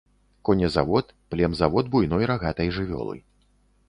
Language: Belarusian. Конезавод, племзавод буйной рагатай жывёлы.